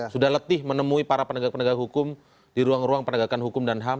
sudah letih menemui para penegak penegak hukum di ruang ruang penegakan hukum dan ham